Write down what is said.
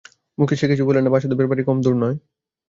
মুখে সে কিছু বলে না বাসুদেবের বাড়ি কম দূর নয়।